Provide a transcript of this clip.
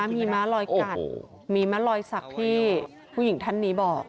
มีม้าลอยกัดมีม้าลอยศักดิ์ที่ผู้หญิงท่านนี้บอก